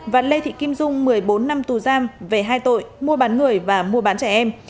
và lê thị kim dung một mươi bốn năm tù giam về hai tội mua bán người và mua bán trẻ em